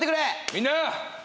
みんな！